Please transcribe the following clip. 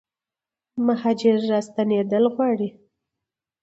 مهاجر راستنیدل غواړي